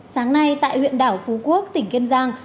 sáng nay tại huyện đảo phú quốc tỉnh kiên giang